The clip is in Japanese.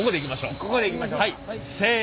ここでいきましょうせの。